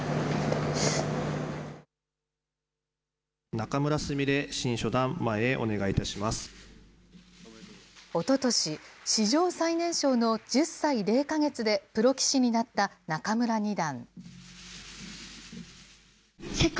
仲邑菫新初段、おととし、史上最年少の１０歳０か月でプロ棋士になった仲邑二段。